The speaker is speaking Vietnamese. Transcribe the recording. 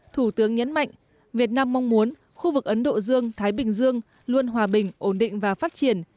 thủ tướng nhấn mạnh việt nam mong muốn khu vực ấn độ dương thái bình dương luôn hòa bình ổn định và phát triển